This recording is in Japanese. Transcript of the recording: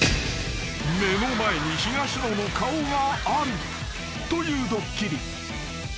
［目の前に東野の顔があるというドッキリ］